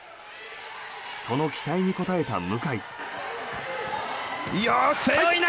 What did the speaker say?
その期待に応えた向。